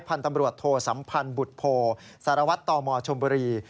พันธ์ตำรวจโทสัมพันธ์บุตรโพสารวัตรตมชมบุรี